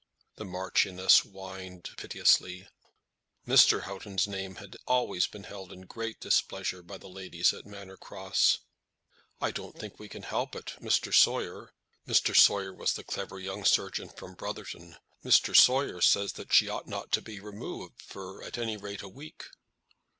The Marchioness whined piteously. Mr. Houghton's name had always been held in great displeasure by the ladies at Manor Cross. "I don't think we can help it. Mr. Sawyer" Mr. Sawyer was the very clever young surgeon from Brotherton "Mr. Sawyer says that she ought not to be removed for at any rate a week."